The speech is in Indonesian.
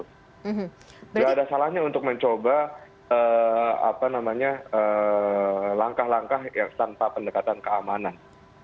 tidak ada salahnya untuk mencoba langkah langkah yang tanpa pendekatan keamanan